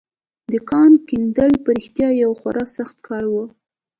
د کان کیندل په رښتيا يو خورا سخت کار و.